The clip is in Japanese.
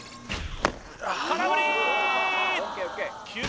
空振りー！